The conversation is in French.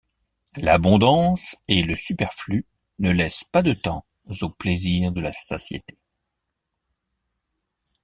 L’abondance et le superflu ne laissent pas de temps aux plaisirs de la satiété.